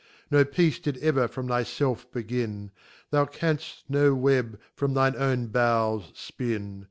No Piece did ever from thy felf begin > Thou can'ft no web, from thine own bowels, fpin.